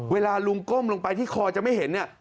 เวลาลุงก้มลงไปที่คอจะไม่เห็นเนี่ย